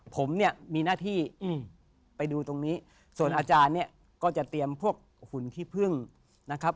ผมเนี่ยมีหน้าที่ไปดูตรงนี้ส่วนอาจารย์เนี่ยก็จะเตรียมพวกหุ่นขี้พึ่งนะครับ